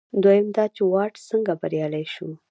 دویم دا چې واټ څنګه بریالی شو.